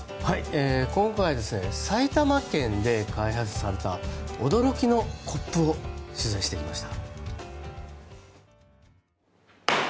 今回は埼玉県で開発された驚きのコップを取材してきました。